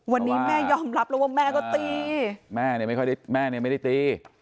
วันนี้แม่ยอมรับแล้วว่าแม่ก็ตีแม่เนี่ยไม่ได้ตี